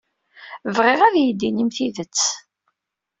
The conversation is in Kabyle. Bɣiɣ ad iyi-d-inim tidet.